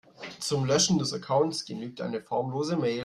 Zum Löschen des Accounts genügt eine formlose Mail.